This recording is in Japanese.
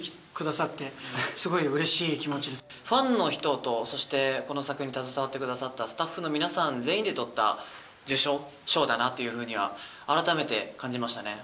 導いてくださって、すごくうファンの人と、そして、この作品に携わってくださったスタッフの皆さん全員で取った受賞、賞だなというふうには改めて感じましたね。